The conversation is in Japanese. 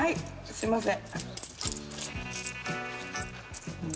すみません。